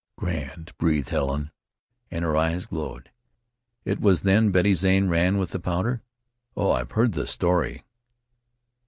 "Grand!" breathed Helen, and her eyes glowed. "It was then Betty Zane ran with the powder? Oh! I've heard the story."